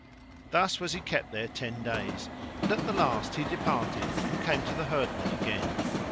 Thus was he kept there ten days; and at the last he departed and came to the herdmen again.